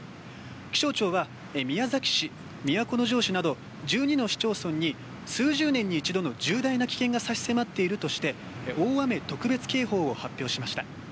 気象庁や宮崎市、都城市など１２都市の市町村に数十年に一度の重大な危険が差し迫っているとして大雨特別警報を発表しました。